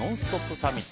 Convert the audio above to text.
サミット。